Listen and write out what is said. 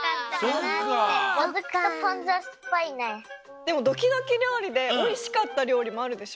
でもドキドキりょうりでおいしかったりょうりもあるでしょ？